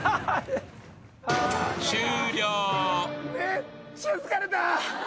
めっちゃ疲れた。